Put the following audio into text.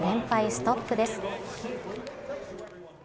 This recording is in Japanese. ストップです。